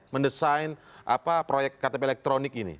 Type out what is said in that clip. mendesain proyek ktp elektronik ini